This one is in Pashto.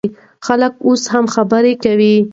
خلک اوس هم خبرې کوي.